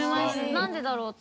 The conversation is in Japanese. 何でだろうって。